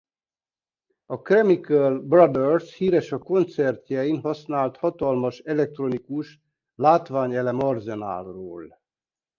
A Chemical Brothers híres a koncertjein használt hatalmas elektronikus látványelem-arzenálról.